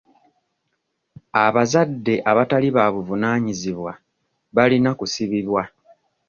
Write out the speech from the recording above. Abazadde abatali babuvunaanyizibwa balina kusibibwa.